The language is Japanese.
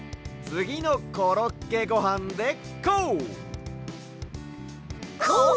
つぎの「コロッケごはん」でこう！